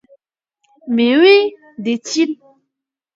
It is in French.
Mais oui, dit-il.